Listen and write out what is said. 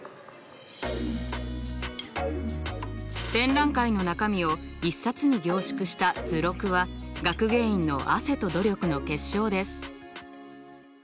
展覧会の中身を１冊に凝縮した図録は学芸員の汗と努力の結晶です。